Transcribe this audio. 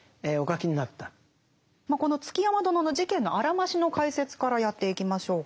この築山殿の事件のあらましの解説からやっていきましょうか。